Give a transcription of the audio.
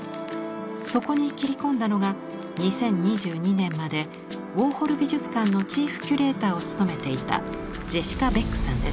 そこに切り込んだのが２０２２年までウォーホル美術館のチーフキュレーターを務めていたジェシカ・ベックさんです。